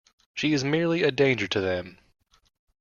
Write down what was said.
She is merely a danger to them.